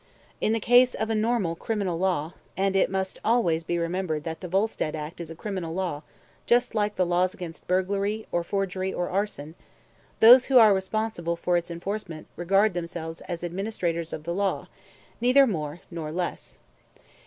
In the case of a normal criminal law and it must always be remembered that the Volstead act is a criminal law, just like the laws against burglary, or forgery, or arson those who are responsible for its enforcement regard themselves as administrators of the law, neither more nor less.